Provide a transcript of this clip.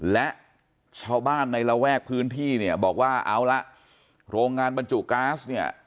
และชาวบ้านในระแวกพื้นที่เนี่ยบอกว่าเอาละโรงงานบรรจุก๊าซเนี่ย